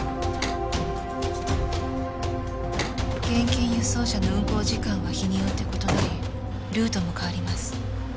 現金輸送車の運行時間は日によって異なりルートも変わります。